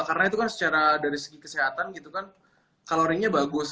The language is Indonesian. karena itu kan secara dari segi kesehatan gitu kan kalori nya bagus